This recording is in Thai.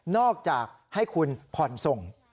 อกจากให้คุณผ่อนส่ง